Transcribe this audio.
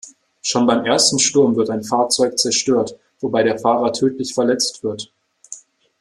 Schon beim ersten Sturm wird ein Fahrzeug zerstört, wobei der Fahrer tödlich verletzt wird.